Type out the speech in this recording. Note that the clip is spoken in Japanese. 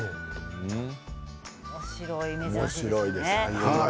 おもしろいですね。